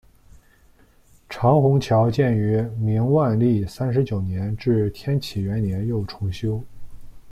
长虹桥建于明万历三十九年至天启元年又重修。